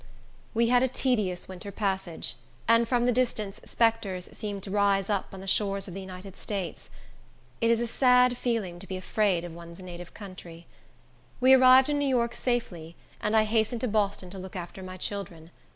We had a tedious winter passage, and from the distance spectres seemed to rise up on the shores of the United States. It is a sad feeling to be afraid of one's native country. We arrived in New York safely, and I hastened to Boston to look after my children.